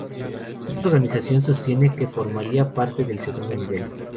Dicha organización sostiene que formaría parte del segundo nivel.